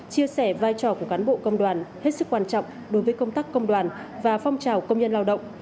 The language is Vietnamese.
chia sẻ vai trò của cán bộ công đoàn hết sức quan trọng đối với công tác công đoàn và phong trào công nhân lao động